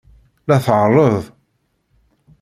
La tɛerreḍ.